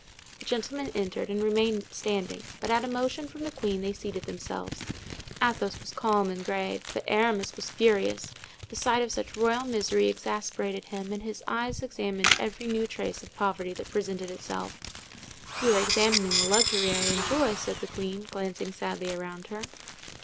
The gentlemen entered and remained standing, but at a motion from the queen they seated themselves. Athos was calm and grave, but Aramis was furious; the sight of such royal misery exasperated him and his eyes examined every new trace of poverty that presented itself. "You are examining the luxury I enjoy," said the queen, glancing sadly around her.